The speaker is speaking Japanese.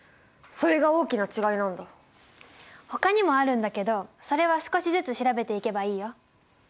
ほかにもあるんだけどそれは少しずつ調べていけばいいよ。